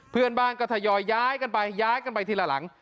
เพื่อนบ้านก็ทยอยย้ายกันไปย้ายกันไปทีละหลัง